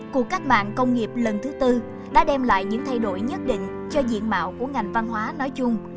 cuộc cách mạng công nghiệp lần thứ tư đã đem lại những thay đổi nhất định cho diện mạo của ngành văn hóa nói chung